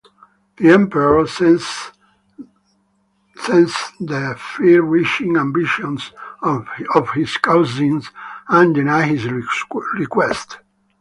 The Emperor sensed the far-reaching ambitions of his cousin and denied his request.